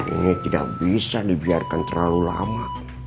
ini tidak bisa dibiarkan terlalu lama